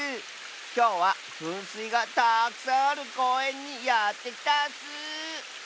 きょうはふんすいがたくさんあるこうえんにやってきたッス！